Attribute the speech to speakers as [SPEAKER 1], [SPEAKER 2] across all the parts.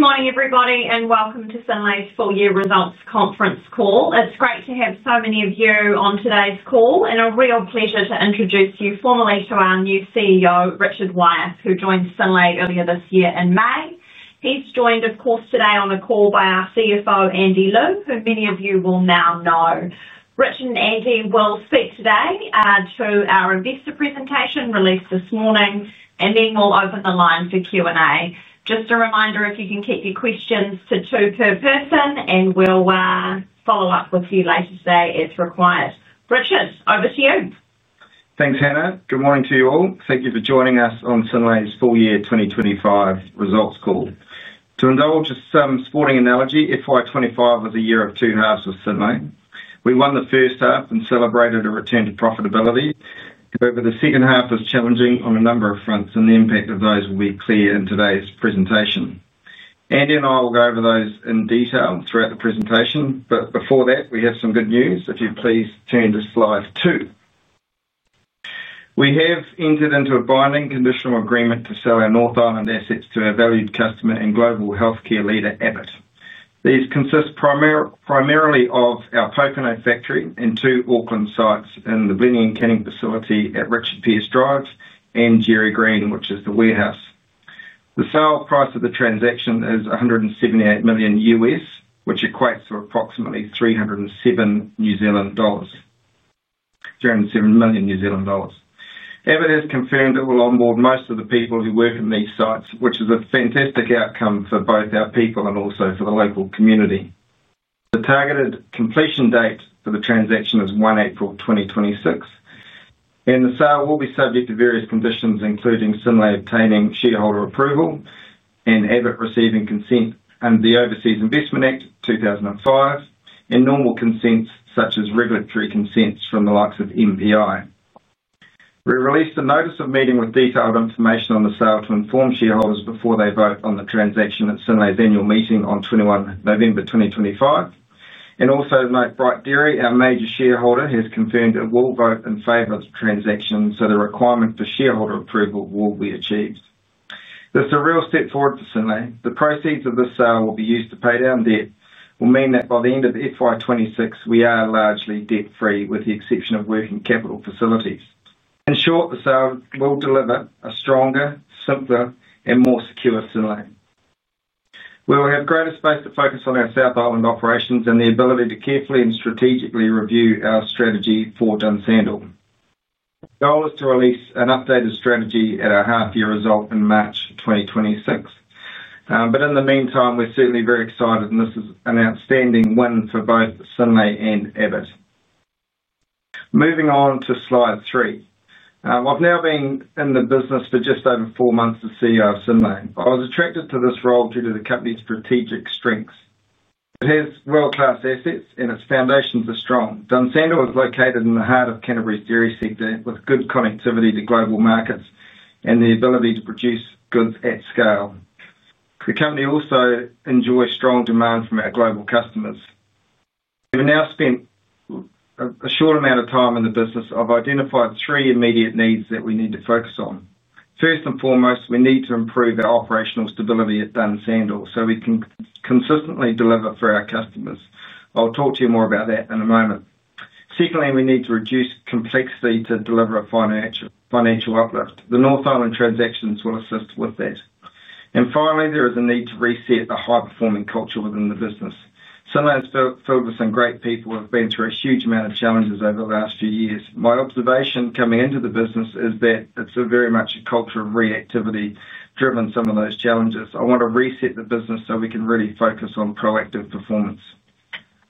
[SPEAKER 1] Good morning, everybody, and welcome to Synlait's Full-Year Results Conference Call. It's great to have so many of you on today's call, and a real pleasure to introduce you formally to our new CEO, Richard Wyeth, who joined Synlait earlier this year in May. He's joined, of course, today on the call by our CFO, Andy Liu, who many of you will now know. Richard and Andy will speak today to our investor presentation released this morning, and then we'll open the line for Q&A. Just a reminder if you can keep your questions to two per person, and we'll follow up with you later today as required. Richard, over to you.
[SPEAKER 2] Thanks, Hannah. Good morning to you all. Thank you for joining us on Synlait's Full-Year 2025 Results Call. To indulge in some sporting analogy, FY 2025 was a year of two halves for Synlait. We won the first half and celebrated a return to profitability. However, the second half was challenging on a number of fronts, and the impact of those will be clear in today's presentation. Andy and I will go over those in detail throughout the presentation, but before that, we have some good news. If you'd please turn to slide two. We have entered into a binding conditional agreement to sell our North Island assets to our valued customer and global healthcare leader, Abbott. These consist primarily of our Pōkeno factory, two Auckland sites, and the Blenheim Canning facility at Richard Pearse Drive, and Jerry Green, which is the warehouse. The sale price of the transaction is $178 million, which equates to approximately 307 million New Zealand dollars. Abbott has confirmed it will onboard most of the people who work in these sites, which is a fantastic outcome for both our people and also for the local community. The targeted completion date for the transaction is 1 April 2026, and the sale will be subject to various conditions, including Synlait obtaining shareholder approval, and Abbott receiving consent under the Overseas Investment Act 2005, and normal consents such as regulatory consents from the likes of MPI. We released a notice of meeting with detailed information on the sale to inform shareholders before they vote on the transaction at Synlait's annual meeting on 21 November 2025. Also to note, Bright Dairy, our major shareholder, has confirmed it will vote in favor of the transaction, so the requirement for shareholder approval will be achieved. This is a real step forward for Synlait. The proceeds of this sale will be used to pay down debt, which will mean that by the end of FY 2026, we are largely debt-free with the exception of working capital facilities. In short, the sale will deliver a stronger, simpler, and more secure Synlait. We will have greater space to focus on our South Island operations and the ability to carefully and strategically review our strategy for Dunsandel. The goal is to release an updated strategy at our half-year result in March 2026. In the meantime, we're certainly very excited, and this is an outstanding win for both Synlait and Abbott. Moving on to slide three. I've now been in the business for just over four months as CEO of Synlait. I was attracted to this role due to the company's strategic strengths. It has world-class assets, and its foundations are strong. Dunsandel is located in the heart of Canterbury's dairy segment with good connectivity to global markets and the ability to produce goods at scale. The company also enjoys strong demand from our global customers. We've now spent a short amount of time in the business. I've identified three immediate needs that we need to focus on. First and foremost, we need to improve our Operational Stability at Dunsandel so we can consistently deliver for our customers. I'll talk to you more about that in a moment. Secondly, we need to Reduce Complexity to deliver a financial uplift. The North Island transactions will assist with that. Finally, there is a need to Reset the high-performing culture within the business. Synlait is filled with some great people who have been through a huge amount of challenges over the last few years. My observation coming into the business is that it's very much a culture of reactivity driven by some of those challenges. I want to reset the business so we can really focus on proactive performance.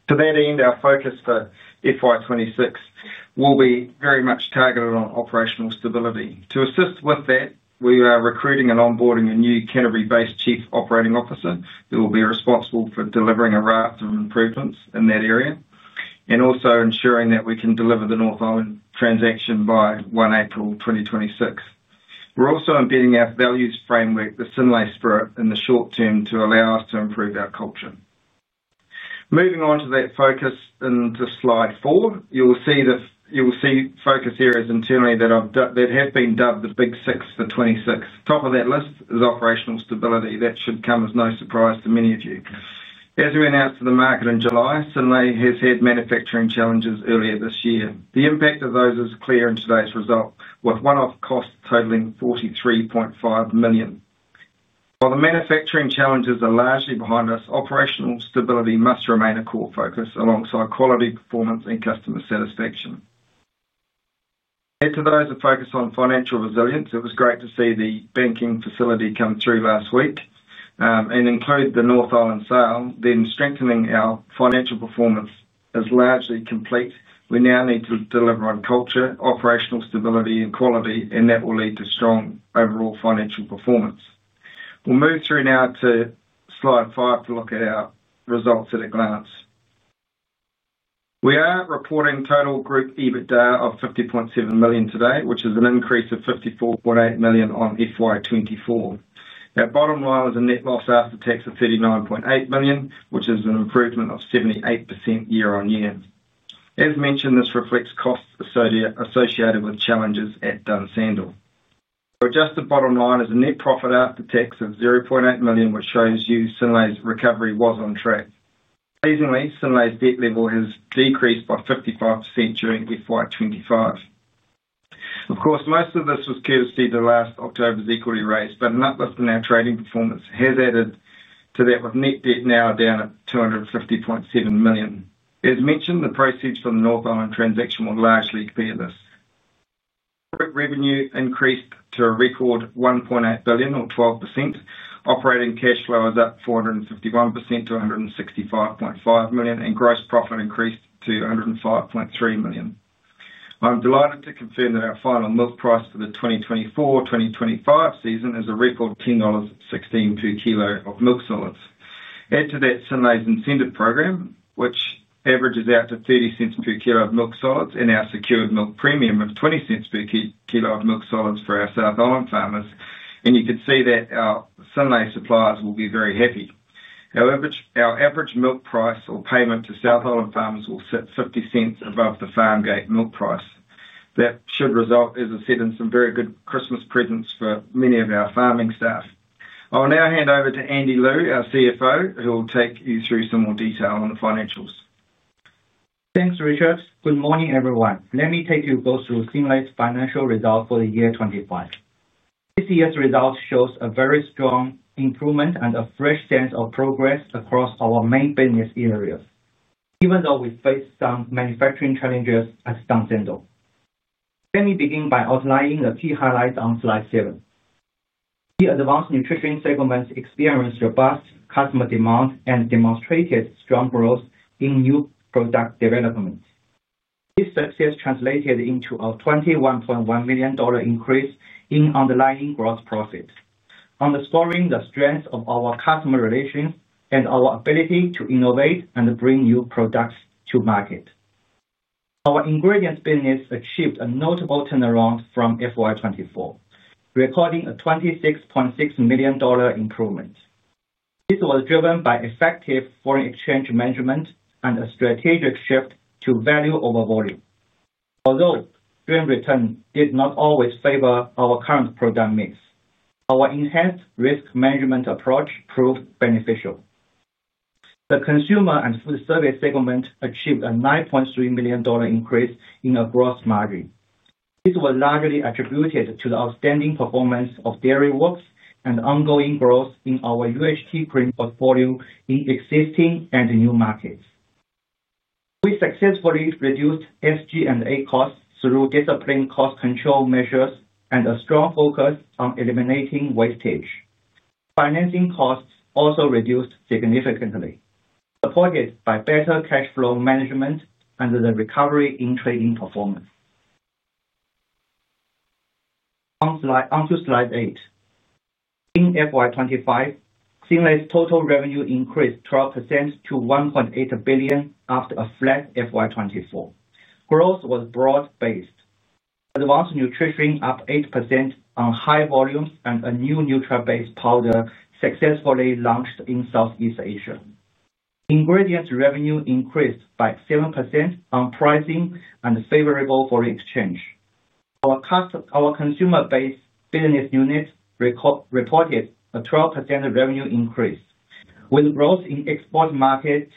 [SPEAKER 2] To that end, our focus for FY 2026 will be very much targeted on operational stability. To assist with that, we are recruiting and onboarding a new Canterbury-based Chief Operating Officer who will be responsible for delivering a raft of improvements in that area and also ensuring that we can deliver the North Island transaction by 1 April 2026. We're also embedding our values framework, the Synlait spirit, in the short term to allow us to improve our culture. Moving on to that focus in slide four, you will see focus areas internally that have been dubbed the Big 6 for '26. Top of that list is operational stability. That should come as no surprise to many of you. As we announced to the market in July, Synlait has had manufacturing challenges earlier this year. The impact of those is clear in today's result, with one-off costs totaling $43.5 million. While the manufacturing challenges are largely behind us, operational stability must remain a core focus alongside quality, performance, and customer satisfaction. To those that focus on financial resilience, it was great to see the banking facility come through last week and include the North Island sale, then strengthening our financial performance. It's largely complete. We now need to deliver on culture, operational stability, and quality, and that will lead to strong overall financial performance. We'll move through now to slide five to look at our results at a glance. We are reporting total group EBITDA of $50.7 million today, which is an increase of $54.8 million on FY 2024. Our bottom line was a net loss after tax of $39.8 million, which is an improvement of 78% year-on-year. As mentioned, this reflects costs associated with challenges at Dunsandel. Our adjusted bottom line is a net profit after tax of $0.8 million, which shows you Synlait's recovery was on track. Presently, Synlait's debt level has decreased by 55% during FY 2025. Of course, most of this was courtesy of last October's equity raise, but an uplift in our trading performance has added to that, with net debt now down at $250.7 million. As mentioned, the proceeds from the North Island transaction will largely clear this. Revenue increased to a record $1.8 billion, or 12%. Operating cash flow is up 451% to $165.5 million, and gross profit increased to $105.3 million. I'm delighted to confirm that our final milk price for the 2024-2025 season is a record $10.16/kg of milk solids. Add to that Synlait's incentive program, which averages out to $0.30/kg of milk solids and our secured milk premium of $0.20/kg of milk solids for our South Island farmers, and you can see that our Synlait suppliers will be very happy. Our average milk price or payment to South Island farmers will set $0.50 above the farm gate milk price. That should result, as I said, in some very good Christmas presents for many of our farming staff. I'll now hand over to Andy Liu, our CFO, who will take you through some more detail on the financials.
[SPEAKER 3] Thanks, Richard. Good morning, everyone. Let me take you both through Synlait's Financial Results for the year 2025. This year's results show a very strong improvement and a fresh sense of progress across our main business areas, even though we faced some manufacturing challenges at Dunsandel. Let me begin by outlining the key highlights on slide seven. The advanced nutrition segments experienced robust customer demand and demonstrated strong growth in new product development. This success translated into a $21.1 million increase in underlying gross profits, underscoring the strength of our customer relations and our ability to innovate and bring new products to market. Our ingredients business achieved a notable turnaround from FY 2024, recording a $26.6 million improvement. This was driven by effective foreign exchange management and a strategic shift to value over volume. Although your return did not always favor our current product mix, our enhanced risk management approach proved beneficial. The consumer and food service segment achieved a $9.3 million increase in our gross margin. This was largely attributed to the outstanding performance of Dairy Works and ongoing growth in our ultra heat treatment milk print portfolio in existing and new markets. We successfully reduced SG&A costs through disciplined cost control measures and a strong focus on eliminating wastage. Financing costs also reduced significantly, supported by better cash flow management and the recovery in trading performance. Onto slide eight. In FY 2025, Synlait's total revenue increased 12% to $1.8 billion after a flat FY 2024. Growth was broad-based. Advanced nutrition up 8% on high volumes and a new nutrient-based powder successfully launched in Southeast Asia. Ingredients revenue increased by 7% on pricing and favorable foreign exchange. Our consumer-based business unit reported a 12% revenue increase, with growth in export markets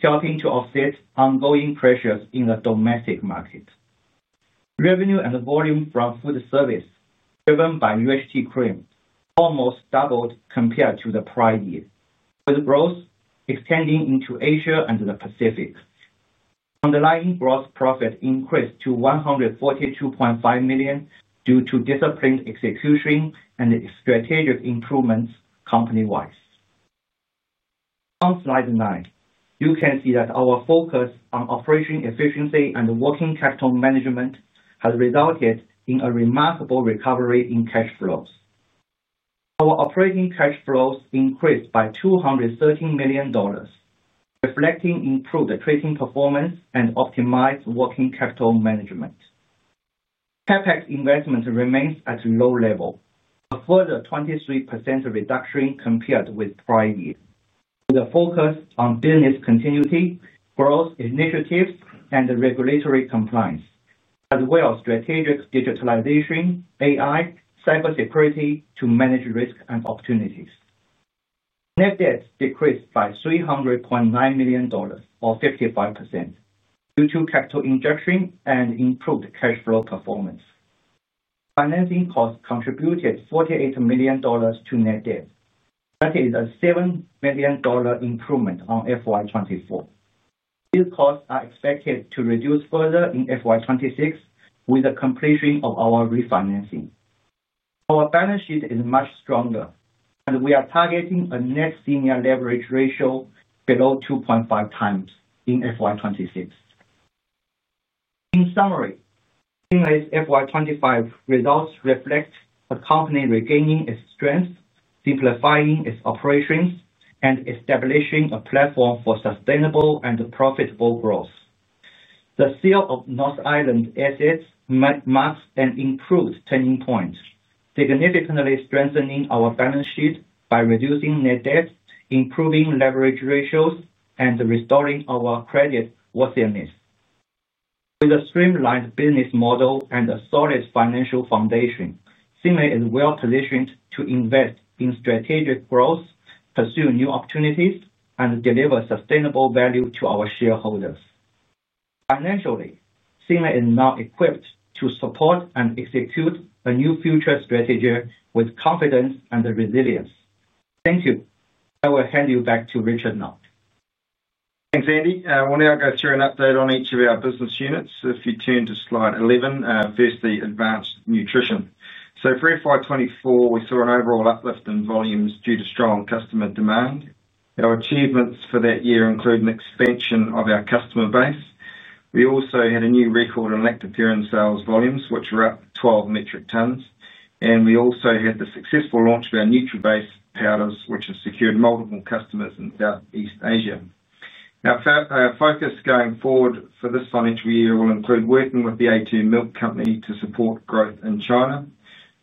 [SPEAKER 3] helping to offset ongoing pressures in the domestic market. Revenue and volume from food service, driven by ultra heat treatment milk print, almost doubled compared to the prior year, with growth extending into Asia and the Pacific. Underlying gross profit increased to $142.5 million due to disciplined execution and the strategic improvements company-wide. On slide nine, you can see that our focus on operating efficiency and working capital management has resulted in a remarkable recovery in cash flows. Our operating cash flows increased by $213 million, reflecting improved trading performance and optimized working capital management. CapEx investment remains at a low level, a further 23% reduction compared with the prior year, with a focus on business continuity, growth initiatives, and regulatory compliance, as well as strategic digitalization, AI, and cybersecurity to manage risk and opportunities. Net debt decreased by $300.9 million, or 55%, due to capital injection and improved cash flow performance. Financing costs contributed $48 million to net debt. That is a $7 million improvement on FY 2024. These costs are expected to reduce further in FY 2026 with the completion of our refinancing. Our balance sheet is much stronger. We are targeting a net senior leverage ratio below 2.5x in FY 2026. In summary, Synlait's FY 2025 results reflect a company regaining its strength, simplifying its operations, and establishing a platform for sustainable and profitable growth. The sale of North Island assets marks an improved turning point, significantly strengthening our balance sheet by reducing net debt, improving leverage ratios, and restoring our credit worthiness. With a streamlined business model and a solid financial foundation, Synlait is well positioned to invest in strategic growth, pursue new opportunities, and deliver sustainable value to our shareholders. Financially, Synlait is now equipped to support and execute a new future strategy with confidence and resilience. Thank you. I will hand you back to Richard now.
[SPEAKER 2] Thanks, Andy. I want to go through an update on each of our business units. If you turn to slide 11, first the advanced nutrition. For FY 2024, we saw an overall uplift in volumes due to strong customer demand. Our achievements for that year include an expansion of our customer base. We also had a new record in elective durum sales volumes, which were up 12 metric tons, and we also had the successful launch of our nutrient-based powders, which have secured multiple customers in Southeast Asia. Our focus going forward for this financial year will include working with The a2 Milk Company to support growth in China,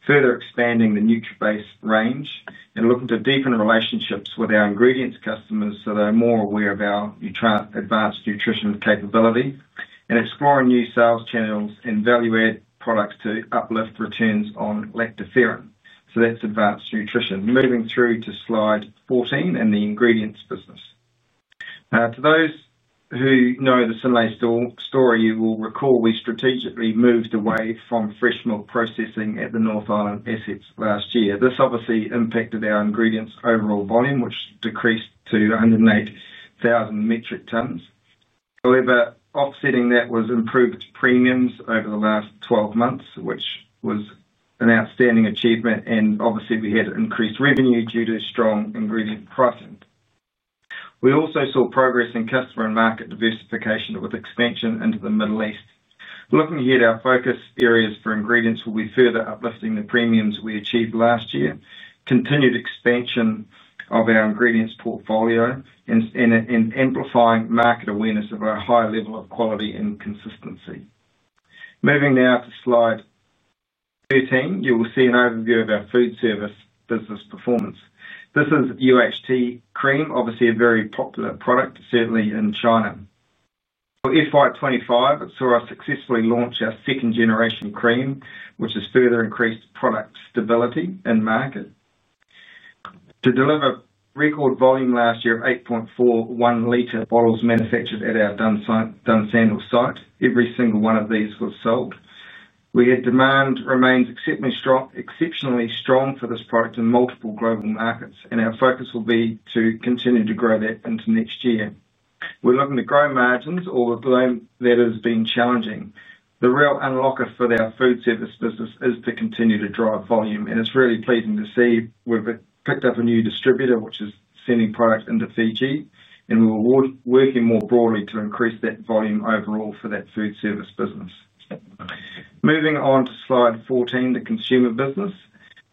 [SPEAKER 2] further expanding the nutrient-based range, looking to deepen relationships with our ingredients customers so they're more aware of our advanced nutrition capability, and exploring new sales channels and value-added products to uplift returns on elective durum. That's advanced nutrition. Moving through to slide 14 and the ingredients business. For those who know the Synlait story, you will recall we strategically moved away from fresh milk processing at the North Island assets last year. This obviously impacted our ingredients overall volume, which decreased to 108,000 metric tons. However, offsetting that was improved premiums over the last 12 months, which was an outstanding achievement, and we had increased revenue due to strong ingredient pricing. We also saw progress in customer and market diversification with expansion into the Middle East. Looking ahead, our focus areas for ingredients will be further uplifting the premiums we achieved last year, continued expansion of our ingredients portfolio, and amplifying market awareness of our high level of quality and consistency. Moving now to slide 13, you will see an overview of our food service business performance. This is UHT cream, obviously a very popular product, certainly in China. For 2025, we saw us successfully launch our second-generation cream, which has further increased product stability and market. To deliver record volume last year of 8.41-L bottles manufactured at our Dunsandel site, every single one of these was sold. We had demand remain exceptionally strong for this product in multiple global markets, and our focus will be to continue to grow that into next year. We're looking to grow margins all the time. That has been challenging. The real unlocker for our food service business is to continue to drive volume, and it's really pleasing to see we've picked up a new distributor, which is sending products into Fiji, and we're working more broadly to increase that volume overall for that food service business. Moving on to slide 14, the consumer business.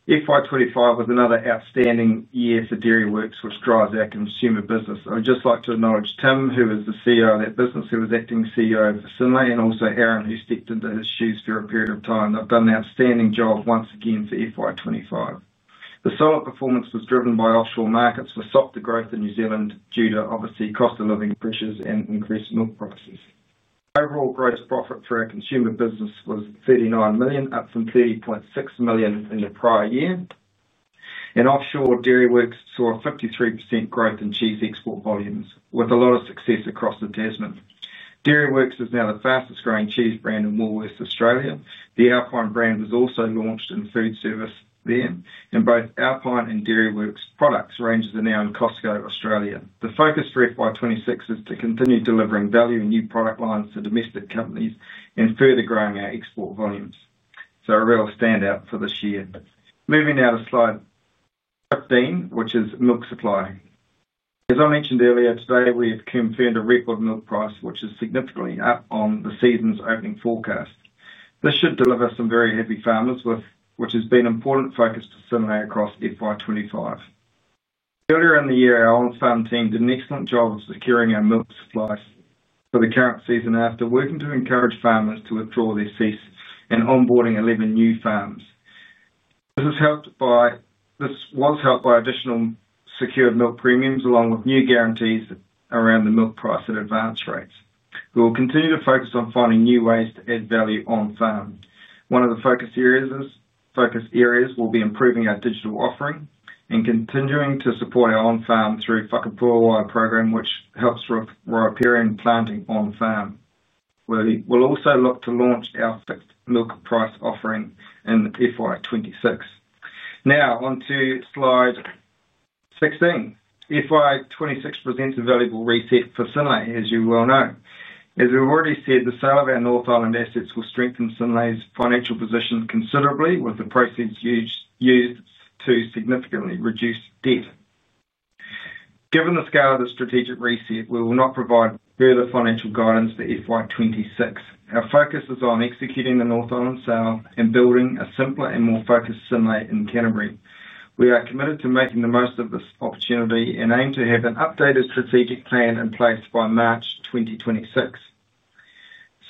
[SPEAKER 2] FY 2025 was another outstanding year for Dairy Works, which drives our consumer business. I would just like to acknowledge Tim, who is the CEO of that business, who was acting CEO of Synlait, and also Aaron, who stepped into his shoes for a period of time, and have done an outstanding job once again for FY 2025. The solid performance was driven by offshore markets, which stopped the growth in New Zealand due to obviously cost of living pressures and increased milk prices. Overall gross profit for our consumer business was $39 million, up from $30.6 million in the prior year. Offshore, Dairy Works saw a 53% growth in cheese export volumes, with a lot of success across the Tasman. Dairy Works is now the fastest growing cheese brand in Northwest Australia. The Alpine brand was also launched in food service there, and both Alpine and Dairy Works product ranges are now in Costco Australia. The focus for FY 2026 is to continue delivering value in new product lines to domestic companies and further growing our export volumes. A real standout for this year. Moving now to slide 15, which is milk supply. As I mentioned earlier, today we've confirmed a record milk price, which is significantly up on the season's opening forecast. This should deliver some very happy farmers, which has been an important focus for Synlait across FY 2025. Earlier in the year, our on-farm team did an excellent job of securing our milk supplies for the current season after working to encourage farmers to withdraw their cease and onboarding 11 new farms. This was helped by additional secured milk premiums along with new guarantees around the milk price at advance rates. We will continue to focus on finding new ways to add value on-farm. One of the focus areas will be improving our digital offering and continuing to support our on-farm through the Whakapuāwai program, which helps with riparian planting on-farm. We'll also look to launch our fifth milk price offering in FY 2026. Now on to slide 16. FY 2026 presents a valuable reset for Synlait, as you well know. As we already said, the sale of our North Island assets will strengthen Synlait's financial position considerably, with the proceeds used to significantly reduce debt. Given the scale of the strategic reset, we will not provide further financial guidance for FY 2026. Our focus is on executing the North Island sale and building a simpler and more focused Synlait in Canterbury. We are committed to making the most of this opportunity and aim to have an updated strategic plan in place by March 2026.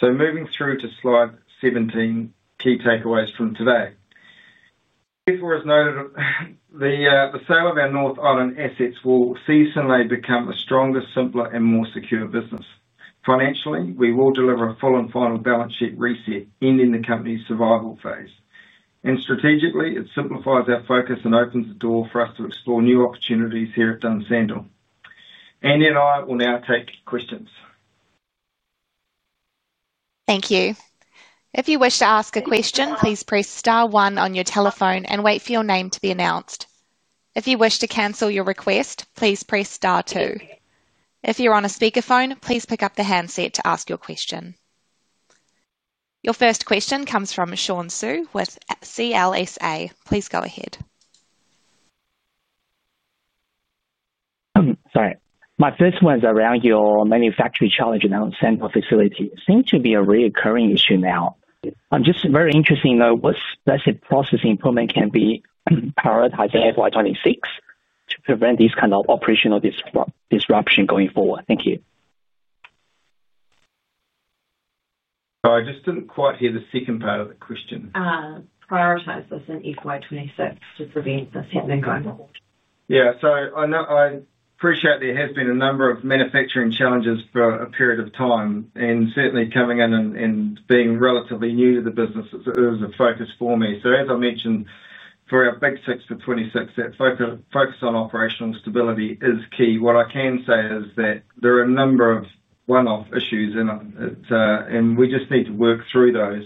[SPEAKER 2] Moving through to slide 17, key takeaways from today. As was noted, the sale of our North Island assets will see Synlait become a stronger, simpler, and more secure business. Financially, we will deliver a full and final balance sheet reset, ending the company's survival phase. Strategically, it simplifies our focus and opens the door for us to explore new opportunities here at Dunsandel. Andy and I will now take questions.
[SPEAKER 4] Thank you. If you wish to ask a question, please press star one on your telephone and wait for your name to be announced. If you wish to cancel your request, please press star two. If you're on a speakerphone, please pick up the handset to ask your question. Your first question comes from Sean Xu with CLSA. Please go ahead.
[SPEAKER 5] Sorry. My first one is around your manufacturing challenge in our Dunsandel facility. It seems to be a reoccurring issue now. I'm just very interested to know what specific process improvements can be prioritized in FY 2026 to prevent this kind of operational disruption going forward. Thank you.
[SPEAKER 2] I just didn't quite hear the second part of the question.
[SPEAKER 1] Prioritize this in FY 2026 to prevent the season growth.
[SPEAKER 2] I appreciate that there have been a number of manufacturing challenges for a period of time, and certainly coming in and being relatively new to the business, it was a focus for me. As I mentioned, for our Big 6 for '26, that focus on operational stability is key. What I can say is that there are a number of one-off issues, and we just need to work through those,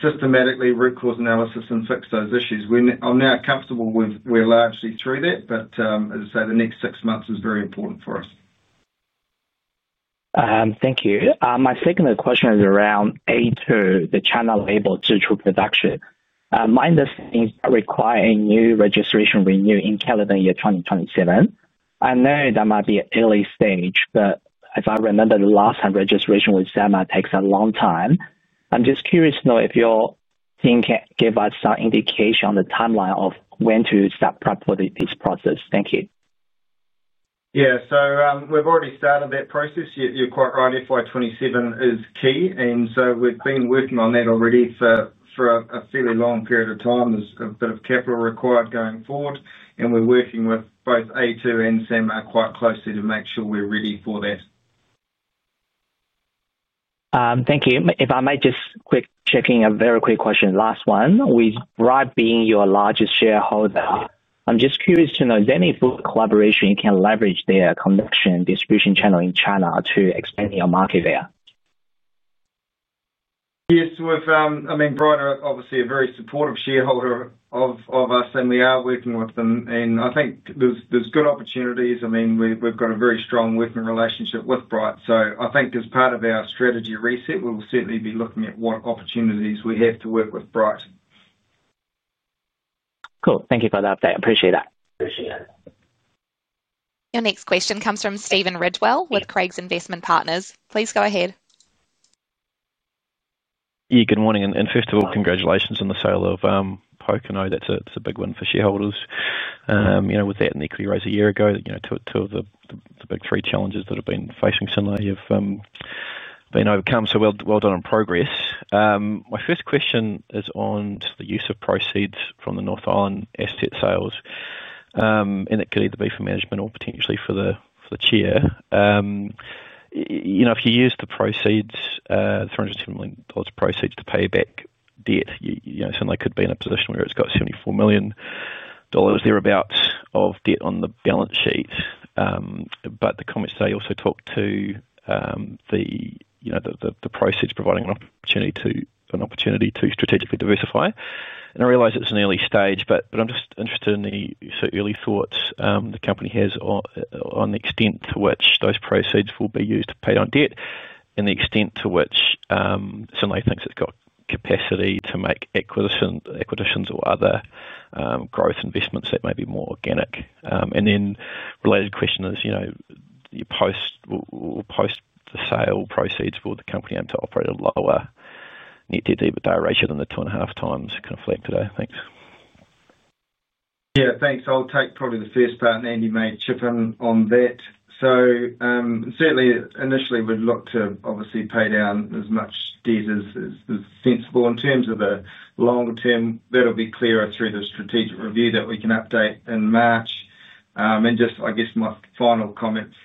[SPEAKER 2] systematically root cause analysis, and fix those issues. I'm now comfortable we're largely through that, but as I say, the next six months is very important for us.
[SPEAKER 5] Thank you. My second question is around The a2, the channel label digital production. My understanding is that it requires a new registration renewal in calendar year 2027. I know that might be an early stage, but if I remember the last time registration was done, that takes a long time. I'm just curious to know if your team can give us some indication on the timeline of when to start prepping for this process. Thank you.
[SPEAKER 2] Yeah, we've already started that process. You're quite right, FY 2027 is key, and we've been working on that already for a fairly long period of time. There's a bit of capital required going forward, and we're working with both The a2 and Synlait quite closely to make sure we're ready for that.
[SPEAKER 5] Thank you. If I may just quick check in, a very quick question, last one. With Bright being your largest shareholder, I'm just curious to know, is there any good collaboration you can leverage their production and distribution channel in China to expand your market there?
[SPEAKER 2] Yes, Bright are obviously a very supportive shareholder of us, and we are working with them. I think there's good opportunities. We've got a very strong working relationship with Bright, so I think as part of our strategy reset, we'll certainly be looking at what opportunities we have to work with Bright.
[SPEAKER 5] Cool. Thank you for that update. I appreciate that.
[SPEAKER 4] Your next question comes from Stephen Ridgewell with Craigs Investment Partners. Please go ahead.
[SPEAKER 6] Yeah, good morning, and first of all, congratulations on the sale of Pōkeno. That's a big win for shareholders. With that and the equity raise a year ago, two of the big three challenges that have been facing Synlait have been overcome, so well done on progress. My first question is on the use of proceeds from the North Island asset sales, and it could either be for management or potentially for the Chair. If you use the proceeds, $310 million proceeds to pay back debt, Synlait could be in a position where it's got $74 million thereabouts of debt on the balance sheet. The comments today also talk to the proceeds providing an opportunity to strategically diversify. I realize it's an early stage, but I'm just interested in the early thoughts the company has on the extent to which those proceeds will be used to pay down debt and the extent to which Synlait's hinks it's got capacity to make acquisitions or other growth investments that may be more organic. The related question is, will post the sale proceeds, will the company aim to operate at a lower net debt to equity ratio than the 2.5x kind of flag today? Thanks.
[SPEAKER 2] Yeah, thanks. I'll take probably the first part, and Andy may chip in on that. Certainly, initially, we'd look to obviously pay down as much debt as is sensible. In terms of the longer term, that'll be clearer through the strategic review that we can update in March. Just, I guess, my final comments,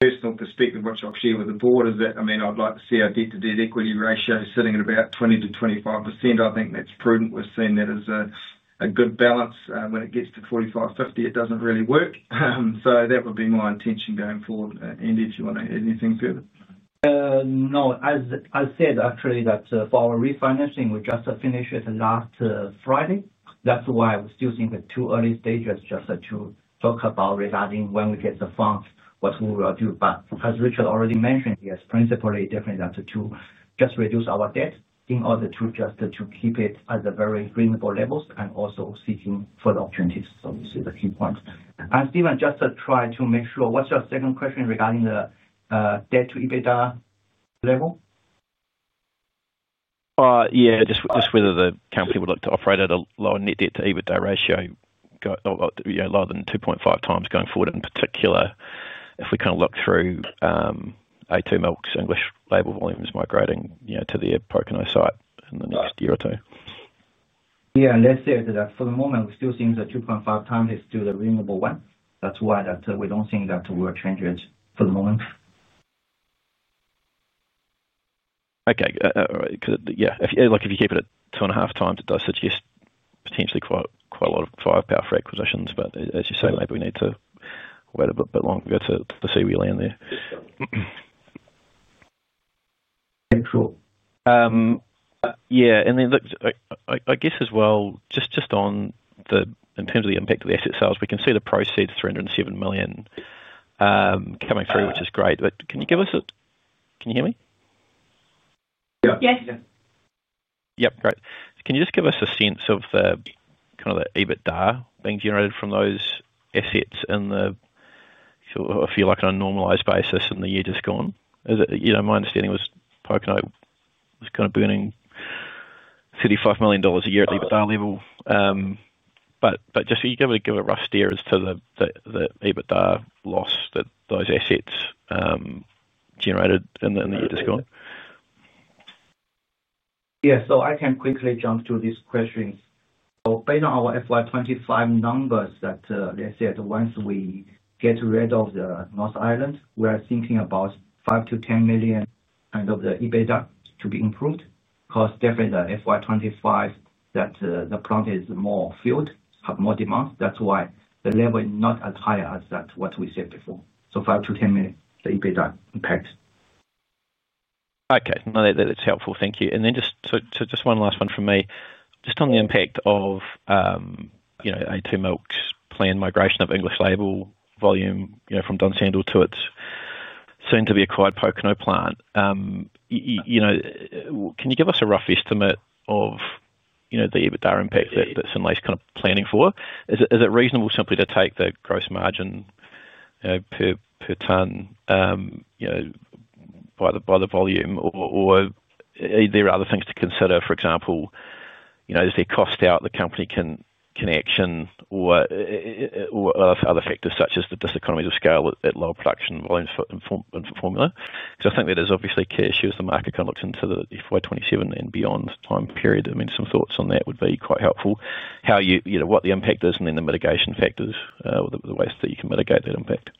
[SPEAKER 2] personal perspective, which I'll share with the board, is that, I mean, I'd like to see our debt to debt equity ratio sitting at about 20%-25%. I think that's prudent. We've seen that as a good balance. When it gets to 45%, 50%, it doesn't really work. That would be my intention going forward. Andy, do you want to add anything further?
[SPEAKER 3] No, as I said, actually, that our refinancing, we just finished it last Friday. That's why I'm still seeing the two early stages, just to talk about regarding when we get the funds, what we will do. As Richard already mentioned, yes, principally, definitely that's the two, just reduce our debt in order to just keep it at the very reasonable levels and also seeking further opportunities. This is the key point. Stephen, just to try to make sure, what's your second question regarding the debt to EBITDA level?
[SPEAKER 6] Yeah, just whether the company would look to operate at a lower net debt to EBITDA ratio, going lower than 2.5x going forward, in particular if we kind of look through The a2 Milk Company's English label volumes migrating, you know, to the Pōkeno site in the next year or two.
[SPEAKER 3] Yes, let's say that for the moment, we're still seeing the 2.5x is still the reasonable one. That's why we don't think that we're changing it for the moment.
[SPEAKER 6] Okay, yeah, like if you keep it at 2.5x, it does suggest potentially quite a lot of firepower for acquisitions, but as you say, maybe we need to wait a bit longer to see where we land there. Yeah, and then look, I guess as well, just in terms of the impact of the asset sales, we can see the proceeds of $307 million coming through, which is great, but can you give us a, can you hear me?
[SPEAKER 3] Yes.
[SPEAKER 6] Great. Can you just give us a sense of the EBITDA being generated from those assets on a normalized basis in the year just gone? My understanding was Pōkeno was burning $75 million a year at the EBITDA level. Just to give a rough steer as to the EBITDA loss that those assets generated in the year just gone.
[SPEAKER 3] Yeah, I can quickly jump to these questions. Based on our FY 2025 numbers, they said once we get rid of the North Island, we are thinking about $5 million-$10 million kind of the EBITDA to be improved because definitely the FY 2025, the plant is more filled, have more demand. That's why the level is not as high as what we said before. $5 million-$10 million the EBITDA impact.
[SPEAKER 6] Okay, that's helpful. Thank you. Just one last one from me, just on the impact of The a2 Milk's planned migration of English label volume from Dunsandel to its soon-to-be acquired Pōkeno plant. Can you give us a rough estimate of the EBITDA impact that Synlait Milk Ltd is kind of planning for? Is it reasonable simply to take the gross margin per ton by the volume, or are there other things to consider? For example, is there cost out the company can action or other factors such as the diseconomies of scale at low production volume formula? I think that is obviously a key issue as the market looks into the FY 2027 and beyond time period. Some thoughts on that would be quite helpful—how you, what the impact is and then the mitigation factors, the ways that you can mitigate that impact.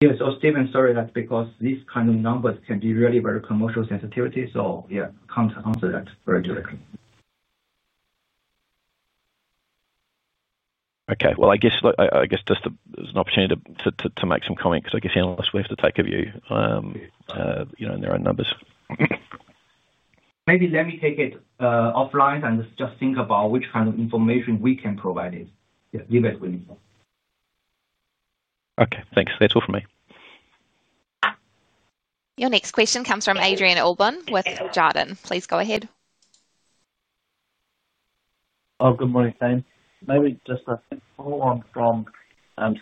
[SPEAKER 3] Yes, I'll step in. Sorry, that's because these kinds of numbers can be really about commercial sensitivity. Yeah, can't answer that very directly.
[SPEAKER 6] Okay, as an opportunity to make some comments, I guess analysts will have to take a view in their own numbers.
[SPEAKER 3] Let me take it offline and think about which kind of information we can provide. Leave it with me.
[SPEAKER 6] Okay, thanks. That's all from me.
[SPEAKER 4] Your next question comes from Adrian Allbon with Jarden. Please go ahead.
[SPEAKER 7] Oh, good morning same. Maybe just a follow-on from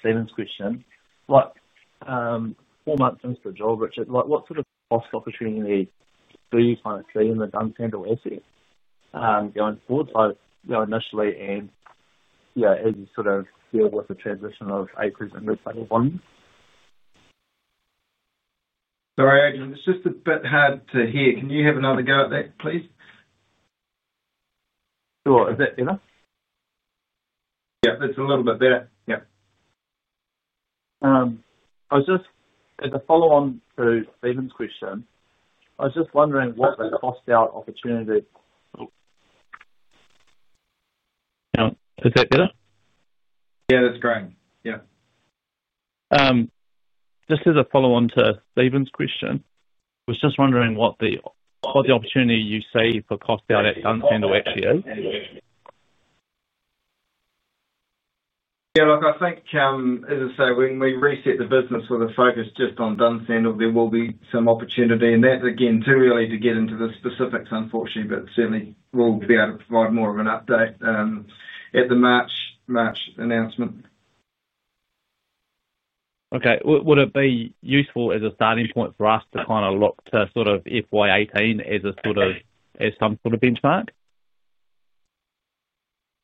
[SPEAKER 7] Stephen's question. Like, four months into the job, Richard, like what sort of cross-focus training do you plan to see in the Dunsandel asset going forward, both, you know, initially and, yeah, as you sort of deal with the transition of acres and volume?
[SPEAKER 2] Sorry, Adrian, it's just a bit hard to hear. Can you have another go at that, please?
[SPEAKER 7] Sure, is that better?
[SPEAKER 2] Yeah, it's a little bit better.
[SPEAKER 7] Yeah, as a follow-on to Stephen's question, I was just wondering what the cost-out opportunity... Is that better?
[SPEAKER 2] That's great. Yeah.
[SPEAKER 7] Just as a follow-on to Stephen's question, I was just wondering what the opportunity you see for cost-out at Dunsandel actually is.
[SPEAKER 2] I think, as I say, when we reset the business with a focus just on Dunsandel, there will be some opportunity. It's again too early to get into the specifics, unfortunately, but certainly we'll be able to provide more of an update at the March announcement.
[SPEAKER 7] Okay, would it be useful as a starting point for us to look to FY 2018 as some sort of benchmark?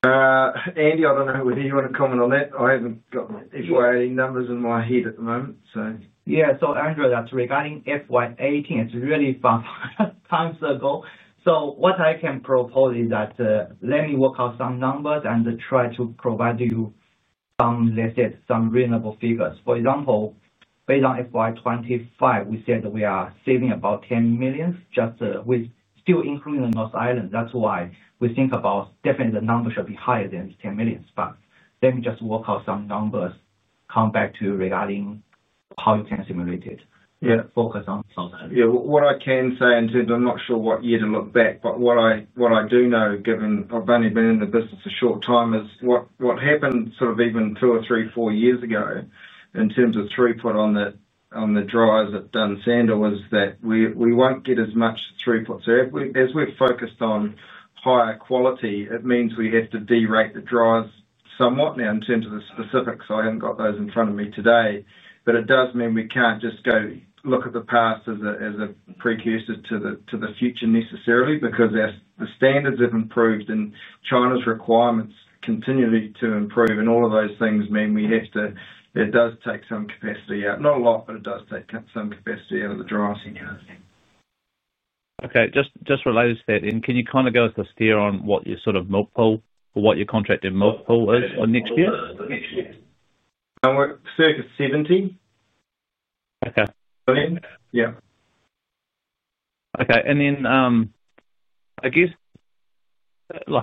[SPEAKER 2] Andy, I don't know whether you want to comment on that. I haven't got the FY 2018 numbers in my head at the moment.
[SPEAKER 3] Yeah, so Andrew, that's regarding FY 2018, it's really fast. Thanks, again. What I can propose is that let me work out some numbers and try to provide you some, let's say, some reasonable figures. For example, based on FY 2025, we said we are saving about $10 million, just we still increase the North Island. That's why we think about definitely the number should be higher than $10 million. Let me just work out some numbers, come back to you regarding how you can simulate it and focus on South Island.
[SPEAKER 2] Yeah, what I can say, and I'm not sure what year to look back, but what I do know, given I've only been in the business a short time, is what happened sort of even two or three, four years ago in terms of throughput on the drives at Dunsandel was that we won't get as much throughput. As we're focused on higher quality, it means we have to derate the drives somewhat. Now, in terms of the specifics, I haven't got those in front of me today, but it does mean we can't just go look at the past as a precursor to the future necessarily because the standards have improved and China's requirements continue to improve, and all of those things mean we have to, it does take some capacity out. Not a lot, but it does take some capacity out of the drives anyway.
[SPEAKER 7] Okay, just related to that, can you kind of give us a steer on what your sort of milk pull or what your contracted milk pull is on next year?
[SPEAKER 2] Circa $70 million.
[SPEAKER 7] Okay.
[SPEAKER 2] Yeah.
[SPEAKER 7] Okay, I guess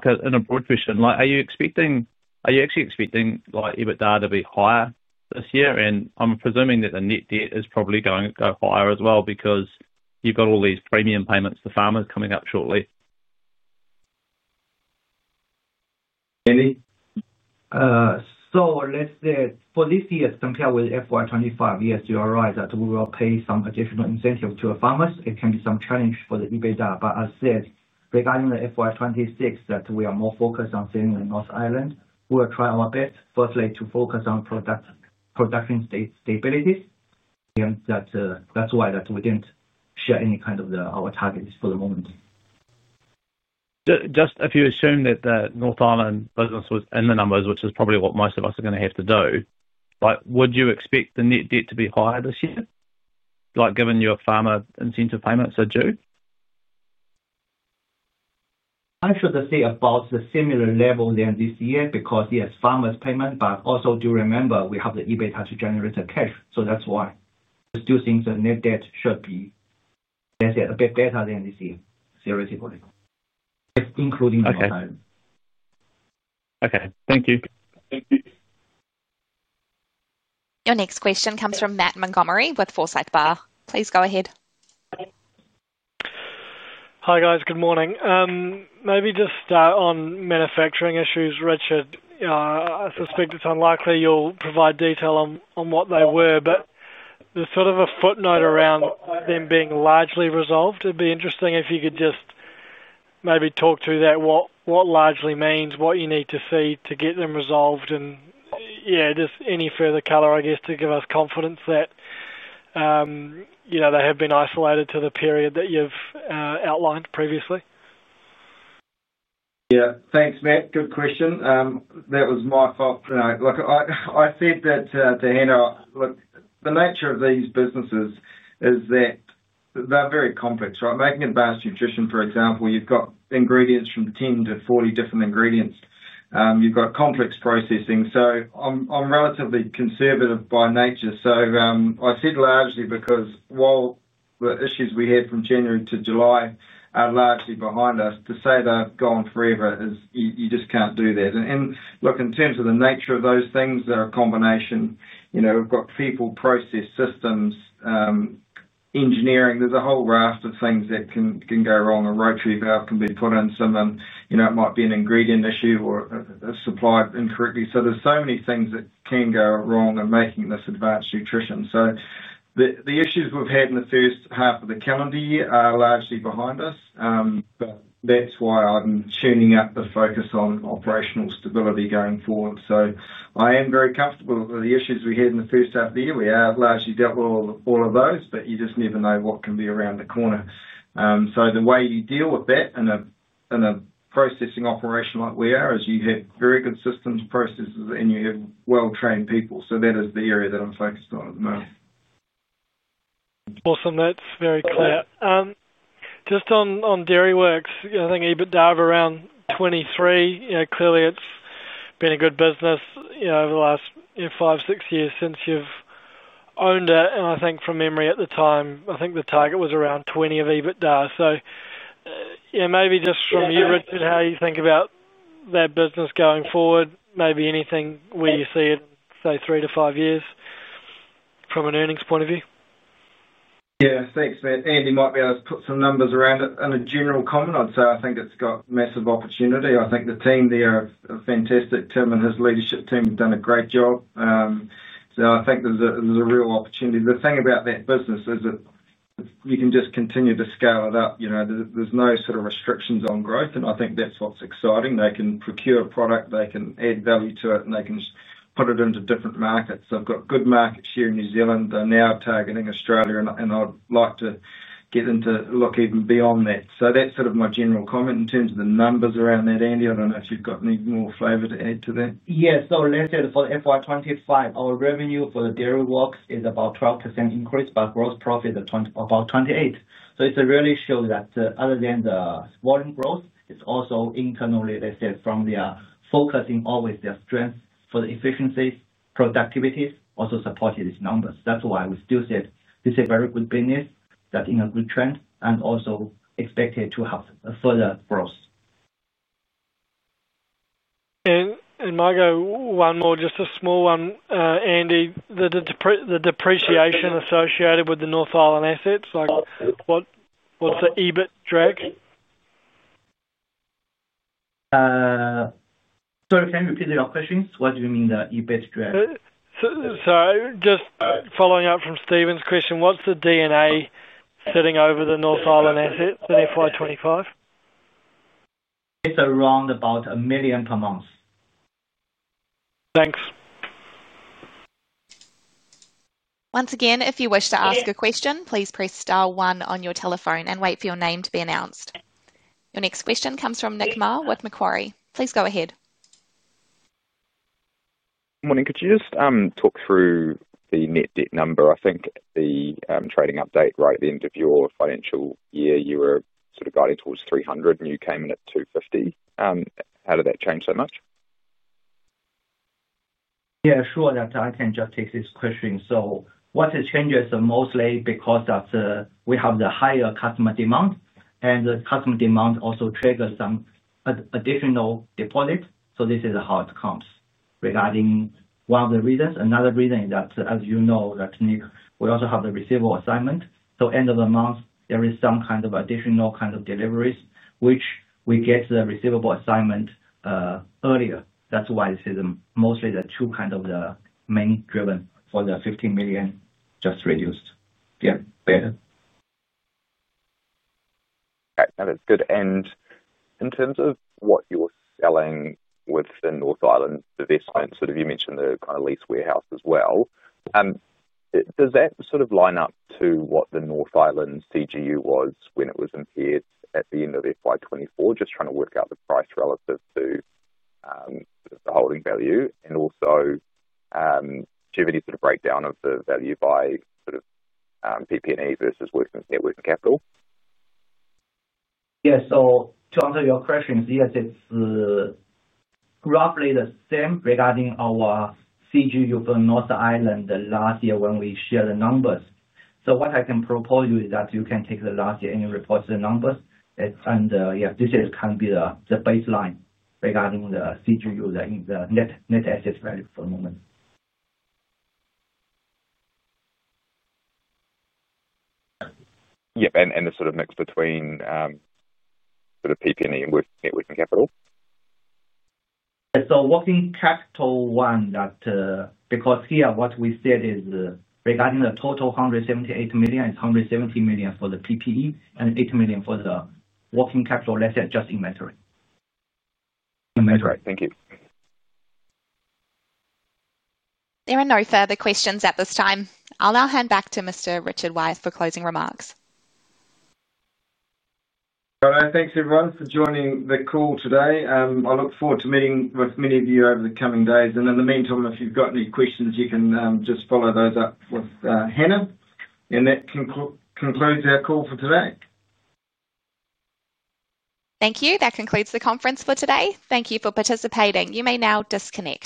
[SPEAKER 7] an abrupt question, are you expecting, are you actually expecting EBITDA to be higher this year? I'm presuming that the net debt is probably going to go higher as well because you've got all these premium payments for farmers coming up shortly.
[SPEAKER 2] Andy?
[SPEAKER 3] Let's say for this year compared with FY 2025, yes, you are right that we will pay some additional incentives to farmers. It can be some challenge for the EBITDA, but as I said, regarding FY 2026, we are more focused on saving the North Island. We'll try our best firstly to focus on production stabilities. That's why we didn't share any kind of our targets for the moment.
[SPEAKER 7] Just if you assume that the North Island business was in the numbers, which is probably what most of us are going to have to do, would you expect the net debt to be higher this year, given your farmer incentive payments are due?
[SPEAKER 3] I should say about a similar level than this year because yes, farmers payment, but also do remember we have the EBITDA to generate the cash, so that's why. I still think the net debt should be, let's say, a bit better than this year, theoretically, including EBITDA.
[SPEAKER 7] Okay, thank you.
[SPEAKER 4] Your next question comes from Matt Montgomerie with Forsyth Barr. Please go ahead.
[SPEAKER 8] Hi guys, good morning. Maybe just on manufacturing issues, Richard, I suspect it's unlikely you'll provide detail on what they were, but there's sort of a footnote around them being largely resolved. It'd be interesting if you could just maybe talk to that, what largely means, what you need to see to get them resolved, and just any further color, I guess, to give us confidence that they have been isolated to the period that you've outlined previously.
[SPEAKER 2] Thanks, Matt. Good question. That was my fault. Like I said that to Hannah, look, the nature of these businesses is that they're very complex, right? Making advanced nutrition, for example, you've got ingredients from 10-40 different ingredients. You've got complex processing. I'm relatively conservative by nature. I said largely because while the issues we had from January-July are largely behind us, to say they've gone forever is you just can't do that. In terms of the nature of those things, they're a combination. We've got people, process systems, engineering, there's a whole raft of things that can go wrong. A rotary valve can be put in, it might be an ingredient issue or a supply incorrectly. There are so many things that can go wrong in making this advanced nutrition. The issues we've had in the first half of the calendar year are largely behind us. That's why I'm churning up the focus on operational stability going forward. I am very comfortable with the issues we had in the first half of the year. We have largely dealt with all of those, but you just never know what can be around the corner. The way you deal with that in a processing operation like we are is you have very consistent processes and you have well-trained people. That is the area that I'm focused on.
[SPEAKER 8] Awesome. That's very clear. Just on Dairy Works, I think EBITDA of around $23 million. Clearly it's been a good business over the last five, six years since you've owned it. I think from memory at the time, I think the target was around $20 million of EBITDA. Maybe just from you, Richard, how you think about that business going forward, maybe anything where you see it, say, three to five years from an earnings point of view.
[SPEAKER 2] Thanks, Matt. Andy might be able to put some numbers around it. In a general comment, I'd say I think it's got massive opportunity. I think the team there are fantastic. Tim and his leadership team have done a great job. I think there's a real opportunity. The thing about that business is that you can just continue to scale it up. There's no sort of restrictions on growth, and I think that's what's exciting. They can procure a product, they can add value to it, and they can just put it into different markets. They've got good markets here in New Zealand. They're now targeting Australia, and I'd like to get into look even beyond that. That's sort of my general comment in terms of the numbers around that. Andy, I don't know if you've got any more flavor to add to that.
[SPEAKER 3] Yeah, for FY 2025, our revenue for Dairy Works is about 12% increased, but gross profit is about 28%. It really shows that other than the volume growth, it's also internally, from their focusing always their strength for the efficiencies, productivities, also supported these numbers. That's why we still said this is a very good business that's in a good trend and also expected to have further growth.
[SPEAKER 8] Michael, one more, just a small one. Andy, the depreciation associated with the North Island assets, like what's the EBIT drag?
[SPEAKER 3] Sorry, Matt, repeat your question. What do you mean the EBITDA drag?
[SPEAKER 8] Just following up from Stephen's question, what's the D&A sitting over the North Island assets in FY 2025?
[SPEAKER 3] It's around about $1 million per month.
[SPEAKER 8] Thanks.
[SPEAKER 4] Once again, if you wish to ask a question, please press star one on your telephone and wait for your name to be announced. Your next question comes from Nick Mah with Macquarie. Please go ahead.
[SPEAKER 9] Morning. Could you just talk through the net debt number? I think the trading update right at the end of your financial year, you were sort of guiding towards $300 million and you came in at $250 million. How did that change so much?
[SPEAKER 3] Yeah, sure. I can just take this question. What has changed is mostly because we have the higher customer demand, and the customer demand also triggers some additional deposit. This is how it comes. Regarding one of the reasons, another reason is that, as you know, we also have the receivable assignment. End of the month, there is some kind of additional kind of deliveries which we get the receivable assignment earlier. That's why I say mostly the two kind of the main driven for the $15 million just reduced.
[SPEAKER 9] Yeah, okay. Good. In terms of what you were selling with the North Island investment, you mentioned the kind of lease warehouse as well. Does that line up to what the North Island CGU was when it was impaired at the end of FY 2024? Just trying to work out the price relative to the holding value. Also, do you have any breakdown of the value by PP&E vs net working capital?
[SPEAKER 3] Yeah, to answer your questions, yes, it's roughly the same regarding our CGU for North Island as last year when we shared the numbers. What I can propose to you is that you can take last year and report the numbers. This can be the baseline regarding the CGU, the net assets value for the moment.
[SPEAKER 9] Yeah, and the sort of mix between sort of PP&E and net working capital?
[SPEAKER 3] Working capital, one, because here what we said is regarding the total $178 million, it's $170 million for the PPE and $8 million for the working capital, let's say just inventory, inventory.
[SPEAKER 9] Thank you.
[SPEAKER 4] There are no further questions at this time. I'll now hand back to Mr. Richard Wyeth for closing remarks.
[SPEAKER 2] Thanks everyone for joining the call today. I look forward to meeting with many of you over the coming days. In the meantime, if you've got any questions, you can just follow those up with Hannah. That concludes our call for today.
[SPEAKER 4] Thank you. That concludes the conference for today. Thank you for participating. You may now disconnect.